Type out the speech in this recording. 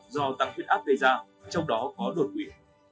do tăng huyết áp gây ra trong đó có đột quỵ